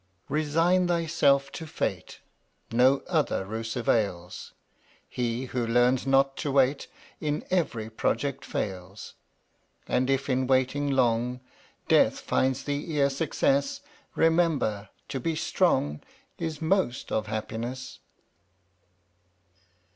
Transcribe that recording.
Resign thyself to Fate, &}tt%/lt No other ruse avails; II He who learns not to wait, (JvC/ In every project fails. KUYkfr And if in waiting long 3 Death find thee ere Success, Remember, to be strong Is most of happiness.